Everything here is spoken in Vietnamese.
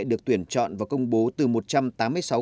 được tuyển chọn và công bố từ một trăm tám mươi sáu